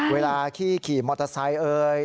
เวลาขี้ขี่มอเตอร์ไซค์เอ่ย